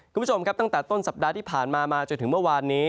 คุณผู้ชมครับตั้งแต่ต้นสัปดาห์ที่ผ่านมามาจนถึงเมื่อวานนี้